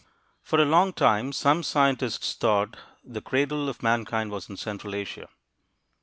For a long time some scientists thought the "cradle of mankind" was in central Asia.